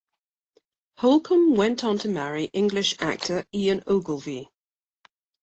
Holcomb went on to marry English actor Ian Ogilvy.